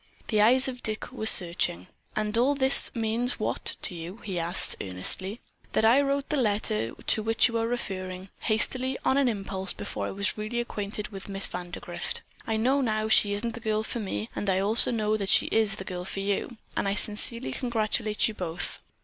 The eyes of Dick were searching. "And all this means what, to you?" he asked earnestly. "That I wrote the letter to which you are referring, hastily, on an impulse, before I was really acquainted with Miss Vandergrift. I know now that she isn't the girl for me, and I also know that she is the girl for you, and I sincerely congratulate you both.